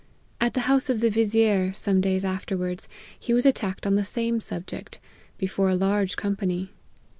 At \he house of the vizier, some days afterwards, he was attacked on the same subject, before a large com pany.